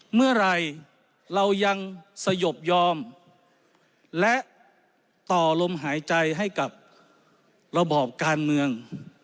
เมื่อไหร่เรายังสยบยอมและต่อลมหายใจให้กับระบอบการเมือง